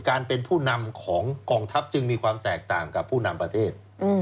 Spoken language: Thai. การเป็นผู้นำของกองทัพจึงมีความแตกต่างกับผู้นำประเทศ